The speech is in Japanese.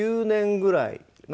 ９年ぐらい。